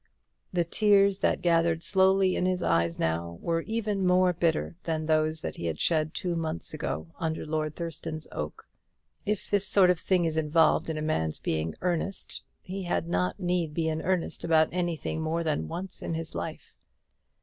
The tears that gathered slowly in his eyes now were even more bitter than those that he had shed two months ago under Lord Thurston's oak. If this sort of thing is involved in a man's being in earnest, he had not need be in earnest about anything more than once in his life.